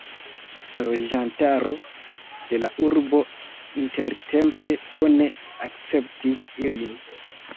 La loĝantaro de la urbo intertempe bone akceptis ilin.